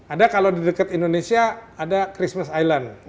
ada kalau di dekat indonesia ada christmas island